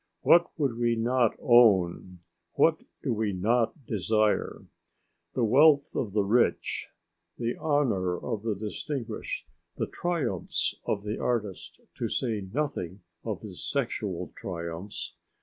What would we not own? What do we not desire? The wealth of the rich, the honour of the distinguished, the triumphs of the artist, to say nothing of his sexual triumphs.